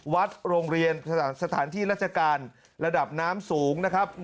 วัดโรงเรียนสถานที่ราชการระดับน้ำสูงนะครับ